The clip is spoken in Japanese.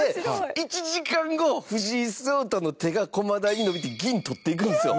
１時間後藤井聡太の手が駒台に伸びて銀、取っていくんですよ。